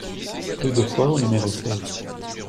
Rue d'Offoy au numéro seize